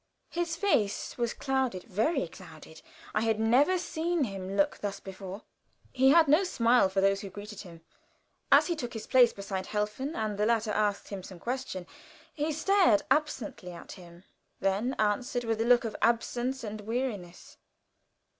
His face was clouded very clouded; I had never seen him look thus before. He had no smile for those who greeted him. As he took his place beside Helfen, and the latter asked him some question, he stared absently at him, then answered with a look of absence and weariness.